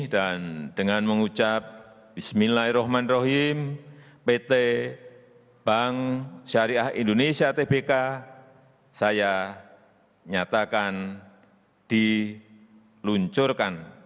dan dengan mengucap bismillahirrahmanirrahim pt bank syariah indonesia tbk saya nyatakan diluncurkan